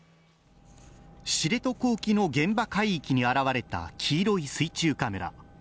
知床沖の現場海域に現れた黄色い水中カメラ。